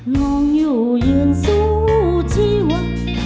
ลองอยู่ยืนสู้ชีวิต